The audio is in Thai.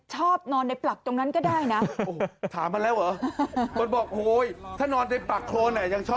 ให้ควายเดินไป